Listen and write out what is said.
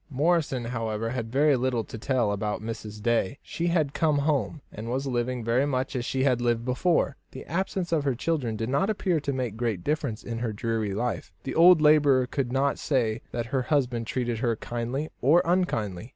Morrison, however, had very little to tell about Mrs. Day. She had come home, and was living very much as she had lived before. The absence of her children did not appear to make great difference in her dreary life. The old labourer could not say that her husband treated her kindly or unkindly.